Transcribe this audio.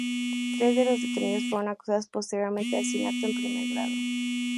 Tres de los detenidos fueron acusados posteriormente de asesinato en primer grado.